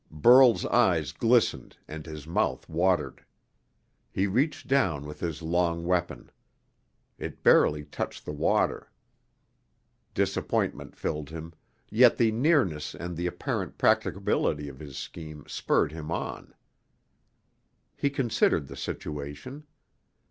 Burl's eyes glistened and his mouth watered. He reached down with his long weapon. It barely touched the water. Disappointment filled him, yet the nearness and the apparent practicability of his scheme spurred him on. He considered the situation.